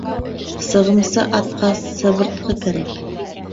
Сығымсы атҡа сыбыртҡы кәрәк.